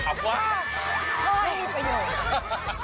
เฮ้ยไม่มีประโยชน์